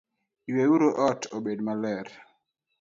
Yue uru ot obed maler